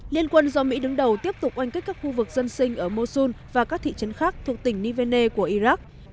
liên quân do mỹ đứng đầu tiếp tục oanh kích các khu vực dân sinh ở mosun và các thị trấn khác thuộc tỉnh nivane của iraq